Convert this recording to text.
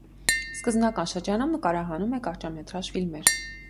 Սկզբնական շրջանում նկարահանում է կարճամետրաժ ֆիլմեր։